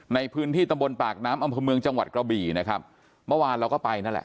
ในพื้นที่ตำบลปากน้ำอำเภอเมืองจังหวัดกระบี่นะครับเมื่อวานเราก็ไปนั่นแหละ